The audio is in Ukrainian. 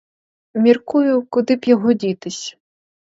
Міркую, куди б його дітись.